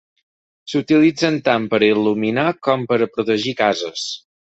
S'utilitzen tant per a il·luminar com per a protegir cases.